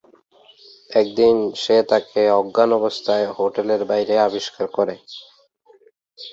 একদিন সে তাকে অজ্ঞান অবস্থায় হোটেলের বাইরে আবিষ্কার করে।